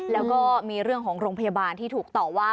แล้วก็มีเรื่องของโรงพยาบาลที่ถูกต่อว่า